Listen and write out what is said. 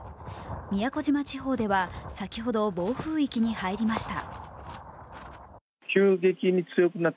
宮古島地方では先ほど、暴風域に入りました。